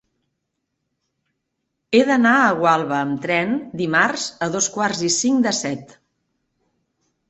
He d'anar a Gualba amb tren dimarts a dos quarts i cinc de set.